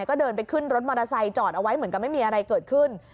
ก็เดินไปขึ้นรถมอเตอร์ไซค์จอดเอาไว้เหมือนกับไม่มีอะไรเกิดขึ้น